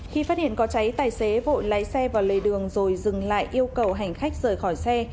khi phát hiện có cháy tài xế vội lái xe vào lề đường rồi dừng lại yêu cầu hành khách rời khỏi xe